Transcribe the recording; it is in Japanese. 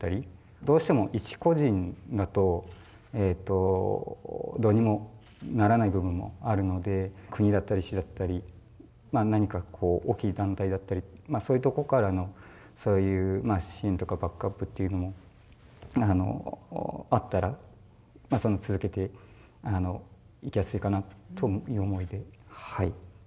どうしても一個人だとどうにもならない部分もあるので国だったり市だったりまあ何かこう大きい団体だったりそういうとこからのそういう支援とかバックアップというのもあったら続けていきやすいかなという思いではいこういうキーワードにしました。